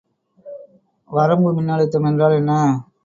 வரம்பு மின்னழுத்தம் என்றால் என்ன?